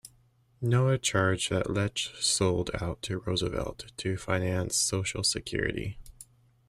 Noe charged that Leche sold out to Roosevelt to finance Social Security.